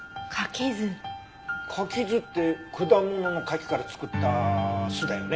柿酢って果物の柿から作った酢だよね。